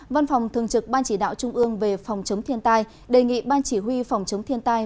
văn phòng thường trực ban chỉ đạo trung ương về phòng chống thiên tai đề nghị ban chỉ huy phòng chống thiên tai